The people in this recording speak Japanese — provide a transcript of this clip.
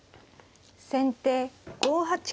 先手５八金。